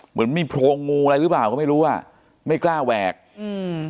เหมือนมีโพรงงูอะไรหรือเปล่าก็ไม่รู้อ่ะไม่กล้าแหวกอืม